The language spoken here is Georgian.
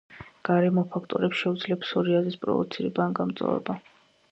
გარემო ფაქტორებს შეუძლია ფსორიაზის პროვოცირება ან გამწვავება.